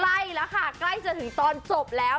ใกล้แล้วค่ะใกล้จะถึงตอนจบแล้ว